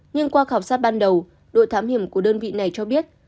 nhưng qua khảo sát ban đầu đội thám hiểm của đơn vị này cho biết